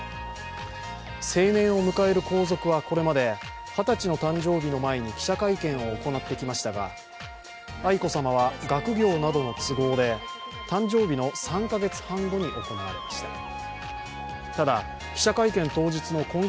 成年を迎える皇族はこれまで、二十歳の誕生日の前に記者会見を行ってきましたが愛子さまは学業などの都合で誕生日の３カ月半後に行われました。